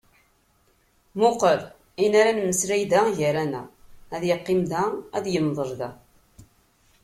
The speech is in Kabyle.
Muqel! Ayen ara nemmeslay da gar-aneɣ, ad yeqqim da, ad yemḍel da.